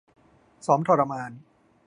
ซ้อมทรมาน